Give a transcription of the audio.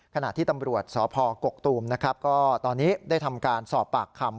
ขณะที่ตำรวจสพกกตูมนะครับก็ตอนนี้ได้ทำการสอบปากคำ